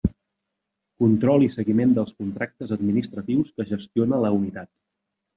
Control i seguiment dels contractes administratius que gestiona la unitat.